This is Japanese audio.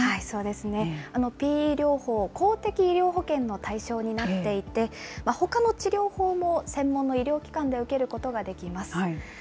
そうですね、ＰＥ療法、公的医療保険の対象になっていて、ほかの治療法も専門の医療機関で受けることができます。